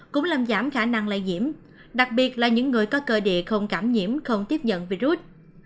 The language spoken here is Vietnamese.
cũng làm giảm khả năng lây nhiễm đặc biệt là những người có cơ địa không cảm nhiễm không tiếp nhận virus